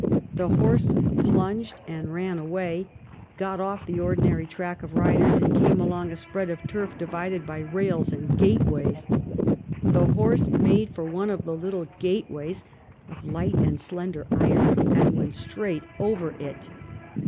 The horse plunged and ran away — THE REPEAL OF THE TAXES ON EDUCATION 235 got off the ordinary track of riders and came along a spread of turf divided by rails and gate ways. The horse made for one of the little gate ways — of light and slender iron — and went straight over it.